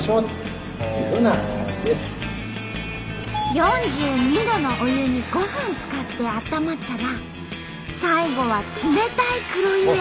４２℃のお湯に５分つかってあったまったら最後は冷たい黒湯へ。